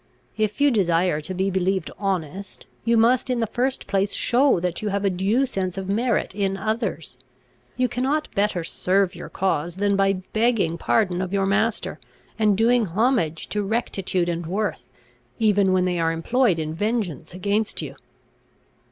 If you desire to be believed honest, you must in the first place show that you have a due sense of merit in others. You cannot better serve your cause than by begging pardon of your master, and doing homage to rectitude and worth, even when they are employed in vengeance against you."